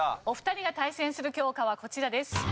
お二人が対戦する教科はこちらです。